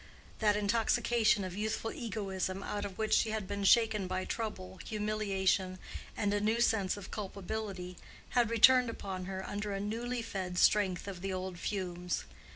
That intoxication of youthful egoism out of which she had been shaken by trouble, humiliation, and a new sense of culpability, had returned upon her under a newly fed strength of the old fumes.